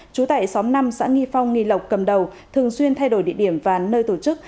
trú tại xóm năm xã nghi phong nghi lộc cầm đầu thường xuyên thay đổi địa điểm và nơi tổ chức